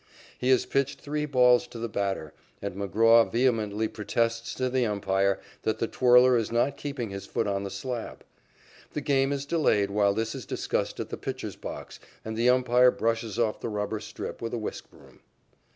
He has pitched three balls to the batter, and McGraw vehemently protests to the umpire that the twirler is not keeping his foot on the slab. The game is delayed while this is discussed at the pitcher's box and the umpire brushes off the rubber strip with a whisk broom.